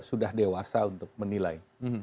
sudah dewasa untuk menilai